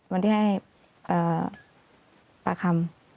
วันที่ให้ปากคำ